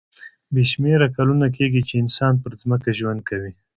بې شمېره کلونه کېږي چې انسان پر ځمکه ژوند کوي.